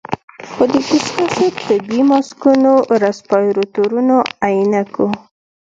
خو د دستکشو، طبي ماسکونو، رسپايرتورونو، عينکو